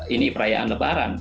ini perayaan lebaran